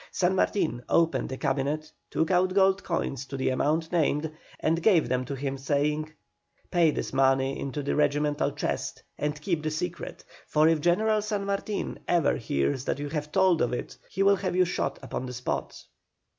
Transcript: San Martin opened a cabinet, took out gold coins to the amount named, and gave them to him, saying: "Pay this money into the regimental chest, and keep the secret; for if General San Martin ever hears that you have told of it, he will have you shot upon the spot."